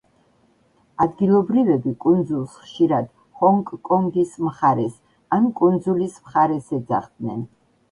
ადგილობრივები კუნძულს ხშირად „ჰონგ-კონგის მხარეს“ ან „კუნძულის მხარეს“ ეძახდნენ.